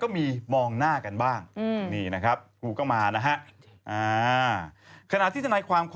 ออกมาจากสารแพ่งจังหวัดกาญจนบุรีนะครับ